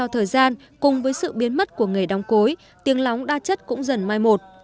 thời gian cùng với sự biến mất của nghề đóng cối tiếng lóng đa chất cũng dần mai một